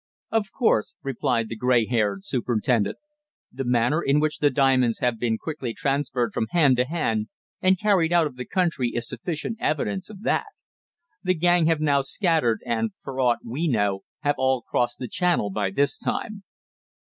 "Of course," replied the grey haired superintendent. "The manner in which the diamonds have been quickly transferred from hand to hand and carried out of the country is sufficient evidence of that. The gang have now scattered, and, for aught we know, have all crossed the Channel by this time."